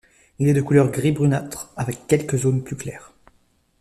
Il est de couleur gris brunâtre avec quelques zones plus claires.